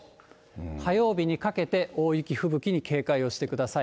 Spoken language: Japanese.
火曜日にかけて大雪、吹雪に警戒をしてください。